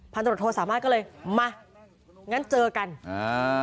ตรวจโทสามารถก็เลยมางั้นเจอกันอ่า